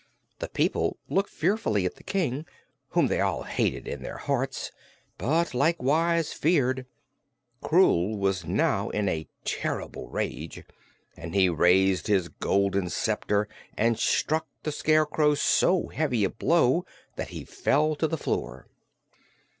The people looked fearfully at the King, whom they all hated in their hearts, but likewise feared. Krewl was now in a terrible rage and he raised his golden sceptre and struck the Scarecrow so heavy a blow that he fell to the floor.